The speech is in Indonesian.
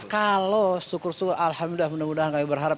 kalau syukur syukur alhamdulillah mudah mudahan kami berharap